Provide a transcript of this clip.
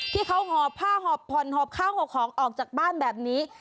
หอบผ้าหอบผ่อนหอบข้าวหอบของออกจากบ้านแบบนี้